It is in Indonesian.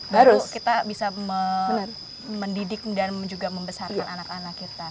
baru kita bisa mendidik dan juga membesarkan anak anak kita